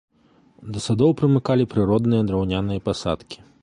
Да садоў прымыкалі прыродныя драўняныя пасадкі.